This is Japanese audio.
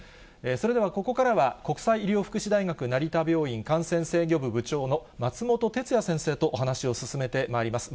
それでは、ここからは国際医療福祉大学成田病院感染制御部部長の松本哲哉先生とお話を進めてまいります。